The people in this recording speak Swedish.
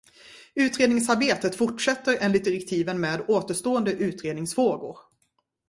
Utredningsarbetet fortsätter enligt direktiven med återstående utredningsfrågor.